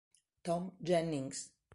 Tom Jennings